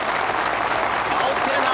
青木瀬令奈